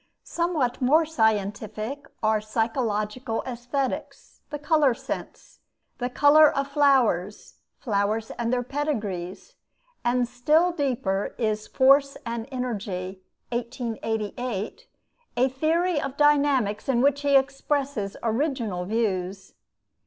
Somewhat more scientific are 'Psychological Aesthetics,' 'The Color Sense,' 'The Color of Flowers,' and 'Flowers and their Pedigrees'; and still deeper is 'Force and Energy' (1888), a theory of dynamics in which he expresses original views.